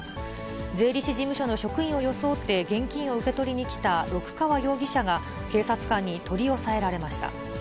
税理士事務所の職員を装って、現金を受け取りに来た六川容疑者が、警察官に取り押さえられました。